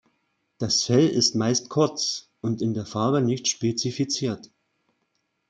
Das Fell ist meist kurz und in der Farbe nicht spezifiziert.